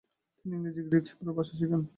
তিনি ইংরেজি, গ্রিক ও হিব্রু ভাষাও শেখেন।